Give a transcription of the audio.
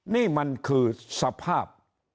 นี่มันคือสภาพ